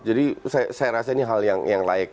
jadi saya rasanya ini hal yang layak